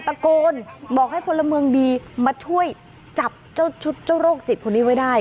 ตะโกนบอกให้พลเมืองดีมาช่วยจับเจ้าชุดเจ้าโรคจิตคนนี้ไว้ได้